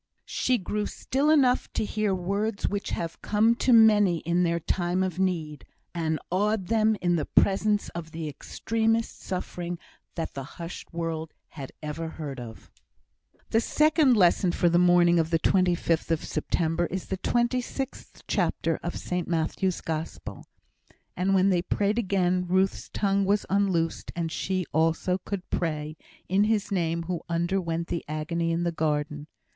She grew still enough to hear words which have come to many in their time of need, and awed them in the presence of the extremest suffering that the hushed world has ever heard of. The second lesson for the morning of the 25th of September is the 26th chapter of St Matthew's Gospel. And when they prayed again, Ruth's tongue was unloosed, and she also could pray, in His name, who underwent the agony in the garden.